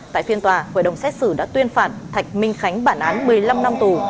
tại phiên tòa hội đồng xét xử đã tuyên phạt thạch minh khánh bản án một mươi năm năm tù